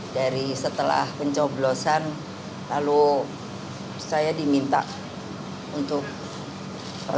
dari setelah pencoblosan lalu saya diminta untuk